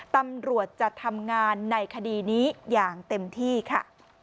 ตำรวจจะทำงานในคดีนี้อย่างเต็มที่ค่ะ